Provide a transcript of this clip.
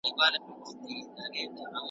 له لاهور تر پاني پټه غلیمان مي تار په تار کې .